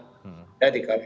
apakah di kalangan